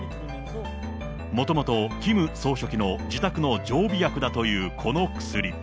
もともとキム総書記の自宅の常備薬だというこの薬。